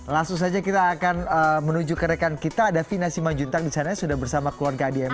langsung saja kita akan menuju ke rekan kita ada vina simajuntang disana sudah bersama keluarga adi ms